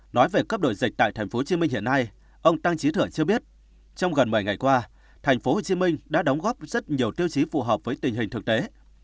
nói về cấp độ dịch tại tp hcm hiện nay ông tăng trí thửa cho biết trong gần một mươi ngày qua tp hcm đã đóng góp rất nhiều tiêu chí phù hợp với tình hình thực tế